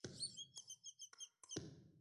یو وزیر ګورنر جنرال ته اطلاع ورکړه.